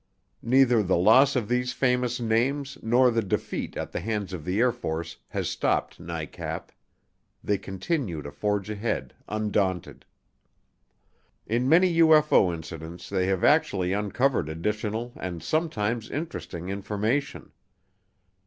Neither the loss of these famous names nor the defeat at the hands of the Air Force has stopped NICAP. They continue to forge ahead, undaunted. In many UFO incidents they have actually uncovered additional, and sometimes interesting, information.